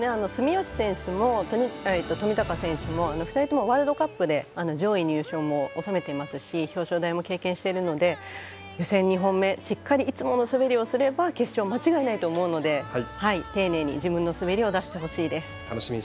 住吉選手も冨高選手も２人ともワールドカップで上位入賞も収めていますし表彰台も経験しているので予選２本目しっかりいつもの滑りをすれば決勝間違いないと思うので丁寧に自分の滑りを出してほしいです。